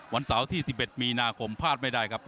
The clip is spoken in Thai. วันเสาร์ที่๑๑มีนาคมพลาดไม่ได้ครับ